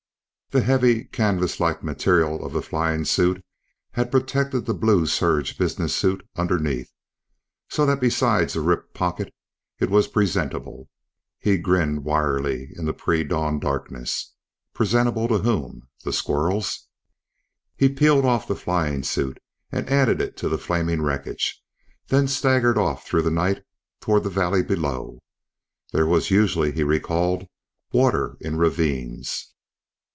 The heavy, canvas like material of the flying suit had protected the blue serge business suit underneath, so that besides a ripped pocket it was presentable. He grinned wryly in the pre dawn darkness. Presentable to whom? The squirrels? He peeled off the flying suit and added it to the flaming wreckage, then staggered off through the night toward the valley below. There was usually, he recalled, water in ravines.